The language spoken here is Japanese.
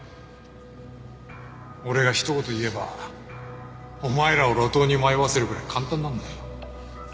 俺がひと言言えばお前らを路頭に迷わせるぐらい簡単なんだよ。